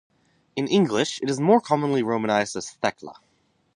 In English, it is more commonly romanized as Thecla.